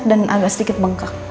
dan agak sedikit bengkak